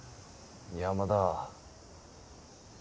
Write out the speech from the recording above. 山田。